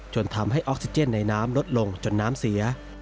ทำให้ออกซิเจนในน้ำลดลงจนน้ำเสีย